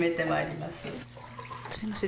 すみません。